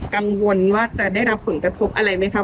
กังวลว่าจะได้รับผลกระทบอะไรไหมคะ